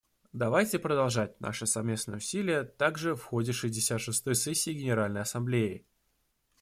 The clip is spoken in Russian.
Давайте продолжать наши совместные усилия также в ходе шестьдесят шестой сессии Генеральной Ассамблеи.